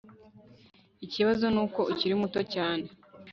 Ikibazo nuko ukiri muto cyane